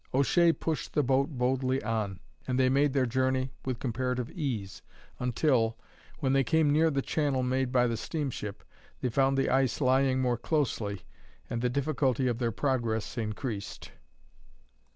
O'Shea pushed the boat boldly on, and they made their journey with comparative ease until, when they came near the channel made by the steamship, they found the ice lying more closely, and the difficulty of their progress increased.